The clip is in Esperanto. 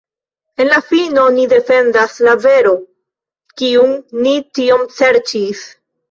En la fino ni defendas al vero, kiun ni tiom serĉis.